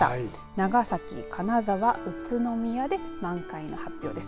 長崎、金沢、宇都宮で満開の発表です。